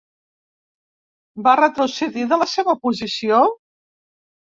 Va retrocedir de la seva posició?